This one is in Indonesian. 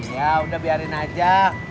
ya udah biarin aja